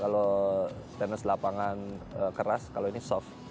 kalau tenis lapangan keras kalau ini soft